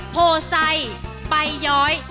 โพไซใบย้อย